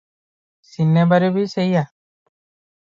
ସିନେମାରେ ବି ସେଇଆ ।